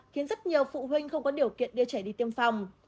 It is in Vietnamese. khiến rất nhiều phụ huynh không có điều kiện đưa trẻ đi tiêm phòng